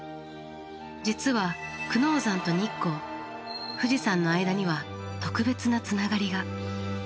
実は久能山と日光富士山の間には特別なつながりが。